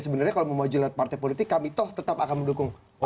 sebenarnya kalau mau jalan partai politik kami toh tetap akan mendukung pak ahok